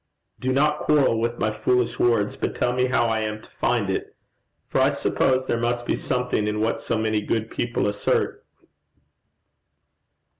'Do not quarrel with my foolish words, but tell me how I am to find it; for I suppose there must be something in what so many good people assert.'